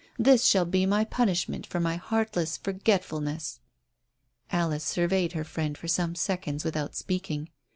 This shall be my punishment for my heartless forgetfulness." Alice surveyed her friend for some seconds without speaking.